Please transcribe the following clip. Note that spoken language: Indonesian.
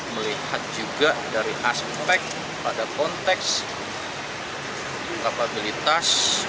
melihat juga dari aspek pada konteks kapabilitas